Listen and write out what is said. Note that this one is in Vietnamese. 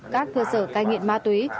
các cơ sở cài nghiện ma túy